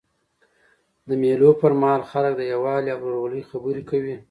د مېلو پر مهال خلک د یووالي او ورورولۍ خبري کوي.